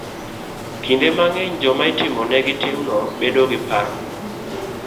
Kinde mang'eny, joma itimonegi timno bedo gi parruok